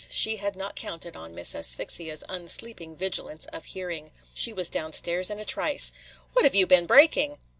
she had not counted on Miss Asphyxia's unsleeping vigilance of hearing. She was down stairs in a trice. "What have you been breaking?"